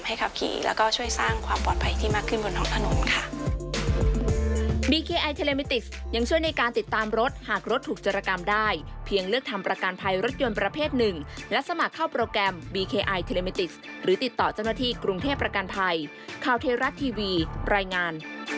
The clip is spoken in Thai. ขับขี่แล้วก็ช่วยสร้างความปลอดภัยที่มากขึ้นบนท้องถนนค่ะ